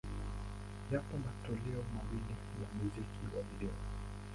Yapo matoleo mawili ya muziki wa video.